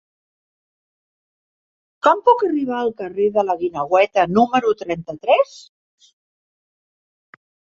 Com puc arribar al carrer de la Guineueta número trenta-tres?